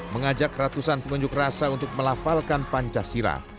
mengajak ratusan pengunjuk rasa untuk melafalkan pancasila